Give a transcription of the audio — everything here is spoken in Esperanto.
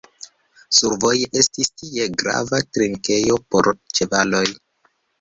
Survoje estis tie grava trinkejo por ĉevaloj.